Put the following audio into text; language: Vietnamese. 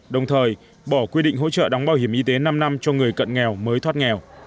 đồng thời bỏ quy định hỗ trợ đóng bảo hiểm y tế năm năm cho người cận nghèo mới thoát nghèo